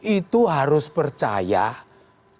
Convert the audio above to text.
itu harus percaya sama sungguhnya